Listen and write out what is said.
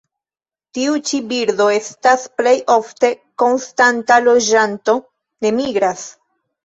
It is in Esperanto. Tiu ĉi birdo estas plej ofte konstanta loĝanto; ne migras.